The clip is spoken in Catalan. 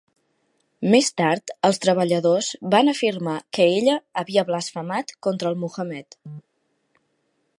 Més tard els treballadors van afirmar que ella havia blasfemat contra el Muhammed.